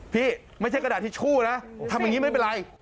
ไม่ใช่กระดาษทิชชู่นะทำอย่างนี้ไม่เป็นไร